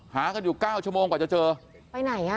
หากันอยู่๙ชั่วโมงก่อนจะเจอไปไหน